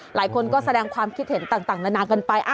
หลายคนก็แสดงความคิดเห็นต่างนานากันไป